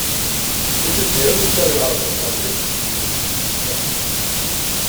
This is the only solo album by Rich to be released on cassette only.